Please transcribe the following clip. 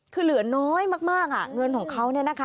คือเหลือน้อยมากเงินของเขา